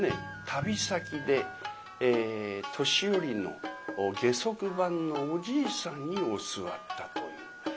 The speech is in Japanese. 旅先で年寄りの下足番のおじいさんに教わったという。